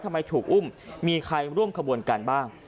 ทำไมถูกอุ้มมีใครร่วมขบวนการบ้าง